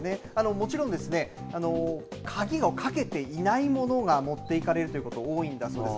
もちろんですね鍵をかけていないものが持っていかれること多いんだそうです。